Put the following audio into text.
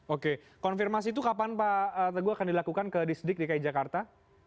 oke konfirmasi itu kapan pak teguh akan dilakukan ke distrik di ki jakarta